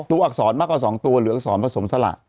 อักษรมากกว่า๒ตัวเหลืออักษรผสมสละ